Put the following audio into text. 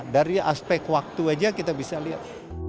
dari aspek waktu saja kita bisa lihat